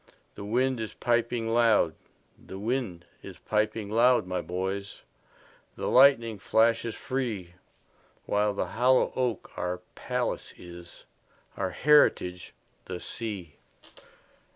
The wind is piping loud; The wind is piping loud, my boys, The lightning flashes free—While the hollow oak our palace is, Our heritage the sea.